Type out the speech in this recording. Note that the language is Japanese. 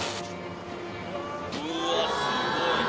うわー、すごい。